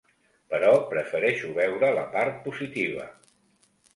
Però prefereixo veure la part positiva.